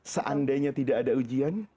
seandainya tidak ada ujian